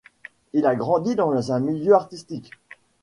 Il a grandi dans un milieu artistique.